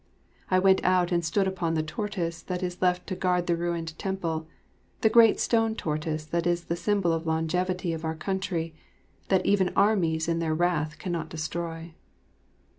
I went out and stood upon the tortoise that is left to guard the ruined temple; the great stone tortoise that is the symbol of longevity of our country, that even armies in their wrath cannot destroy.